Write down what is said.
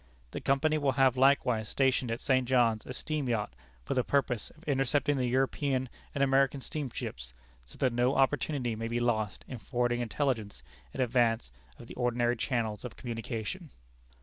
The company will have likewise stationed at St. John's a steam yacht, for the purpose of intercepting the European and American steamships, so that no opportunity may be lost in forwarding intelligence in advance of the ordinary channels of communication."